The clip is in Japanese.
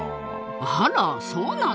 あらそうなの？